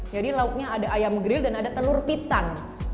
jadi lauknya ada ayam grill dan ada telur pitan